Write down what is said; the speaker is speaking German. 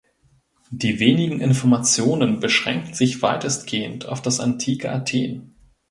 Die wenigen Informationen beschränken sich weitestgehend auf das antike Athen.